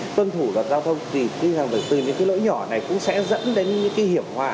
tuân thủ đoạt giao thông thì tự nhiên là những cái lỗi nhỏ này cũng sẽ dẫn đến những cái hiểm hòa